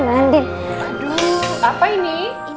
aduh apa ini